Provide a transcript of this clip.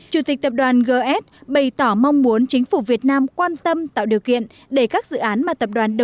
chủ tịch tập đoàn gs bày tỏ mong muốn chính phủ việt nam quan tâm tạo hiệu quả cho cả hai bên